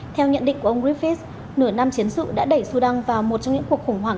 theo nhận định của ông griffiths nửa năm chiến sự đã đẩy sudan vào một trong những cuộc khủng hoảng